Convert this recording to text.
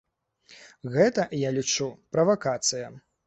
Гэта, я лічу, правакацыя.